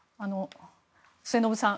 末延さん